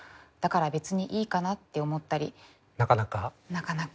なかなか。